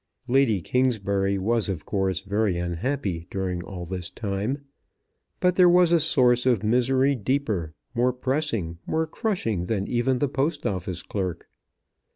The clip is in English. Lady Kingsbury was of course very unhappy during all this time; but there was a source of misery deeper, more pressing, more crushing than even the Post Office clerk.